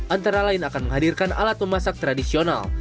antara lain akan menghadirkan alat memasak tradisional